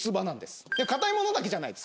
硬いものだけじゃないです。